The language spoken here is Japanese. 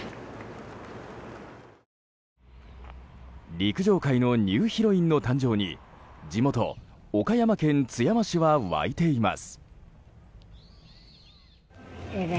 陸上界のニューヒロインの誕生に地元・岡山県津山市は沸いています。